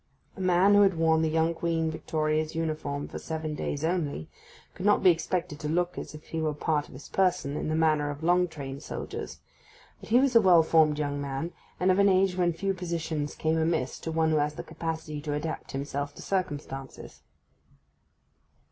A man who had worn the young Queen Victoria's uniform for seven days only could not be expected to look as if it were part of his person, in the manner of long trained soldiers; but he was a well formed young fellow, and of an age when few positions came amiss to one who has the capacity to adapt himself to circumstances.